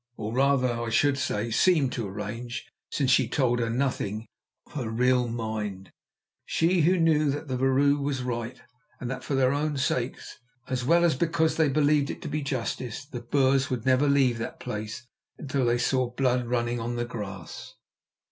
Or rather, I should say, seemed to arrange, since she told her nothing of her real mind, she who knew that the vrouw was right and that for their own sakes, as well as because they believed it to be justice, the Boers would never leave that place until they saw blood running on the grass.